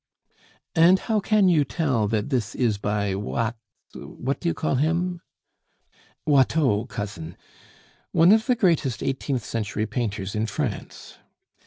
"And how can you tell that this is by Wat what do you call him?" "Watteau, cousin. One of the greatest eighteenth century painters in France.